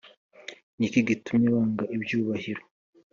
niki gitumye wanga ibyubahiro"